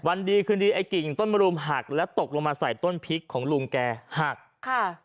ดีคืนดีไอ้กิ่งต้นมรุมหักและตกลงมาใส่ต้นพริกของลุงแกหักค่ะ